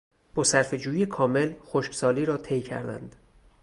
با صرفهجویی کامل خشکسالی را طی کردند.